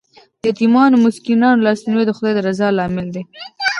د یتیمانو او مسکینانو لاسنیوی د خدای د رضا لامل دی.